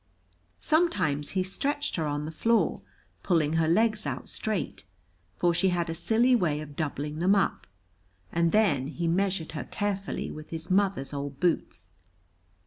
Sometimes he stretched her on the floor, pulling her legs out straight, for she had a silly way of doubling them up, and then he measured her carefully with his mother's old boots.